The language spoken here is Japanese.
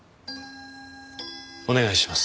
お願いします。